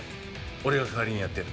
俺が代わりにやってやる。